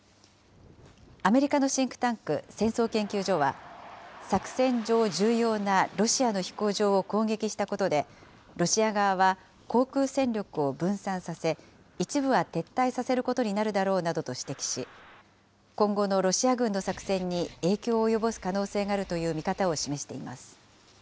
アメリカのシンクタンク、戦争研究所は、作戦上重要なロシアの飛行場を攻撃したことで、ロシア側は航空戦力を分散させ、一部は撤退させることになるだろうなどと指摘し、今後のロシア軍の作戦に影響を及ぼす可能性があるという見方を示しています。